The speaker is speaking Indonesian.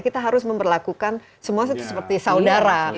kita harus memperlakukan semua seperti saudara